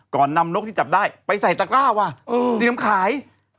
ก่อนนำนกที่จับได้ไปใส่ตะกล้าว่ะเตรียมขาย